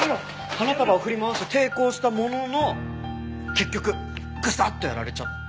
花束を振り回して抵抗したものの結局グサッとやられちゃった？